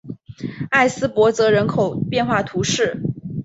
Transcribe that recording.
埃斯珀泽人口变化图示